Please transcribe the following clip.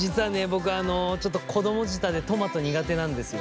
僕ちょっと子供舌でトマト苦手なんですよ。